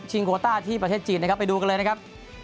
โคต้าที่ประเทศจีนนะครับไปดูกันเลยนะครับ